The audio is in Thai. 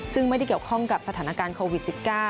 ซึ่งไม่ได้เกี่ยวข้องกับสถานการณ์โควิด๑๙